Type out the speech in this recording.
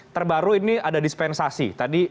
terbaru ini ada dispensasi